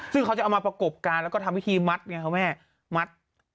ซึ่งเขาจะเอามาประกบการแล้วก็ทำพิธีมัดไงครับแม่มัด